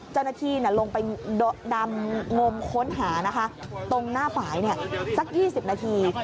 เจ้าหน้าที่ลงไปดำงมค้นหานะคะตรงหน้าฝ่ายสัก๒๐นาที